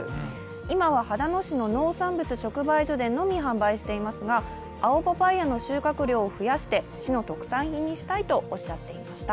今は秦野市の農産物直売所のみで販売していますが青パパイヤの収穫量を増やして、市の特産品にしたいとおっしゃっていました。